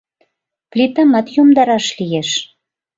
Плитамат йомдараш лиеш.